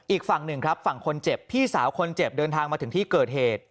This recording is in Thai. อีกฝั่งหนึ่งครับฝั่งคนเจ็บพี่สาวคนเจ็บเดินทางมาถึงที่เกิดเหตุ